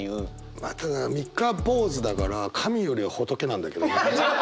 まあただ三日坊主だから神よりは仏なんだけどね。